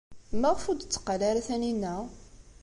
Maɣef ur d-tetteqqal ara Taninna?